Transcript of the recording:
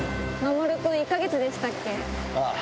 ああ。